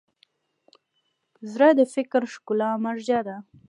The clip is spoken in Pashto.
زړه د فکري ښکلا مرجع ده.